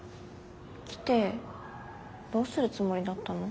来てどうするつもりだったの？